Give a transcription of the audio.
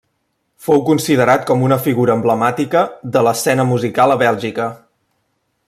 Fou considerat com una figura emblemàtica de l'escena musical a Bèlgica.